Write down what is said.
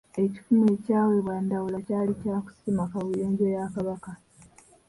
EKifumu ekyaweebwa Ndawula kyali kya kusima kaabuyonjo ya Kabaka.